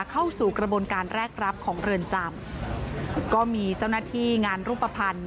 เข้าสู่กระบวนการแรกรับของเรือนจำก็มีเจ้าหน้าที่งานรูปภัณฑ์